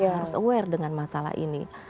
harus aware dengan masalah ini